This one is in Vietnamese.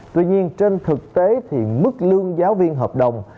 tuy nhiên trên thực tế thì mức lương giáo viên hợp đồng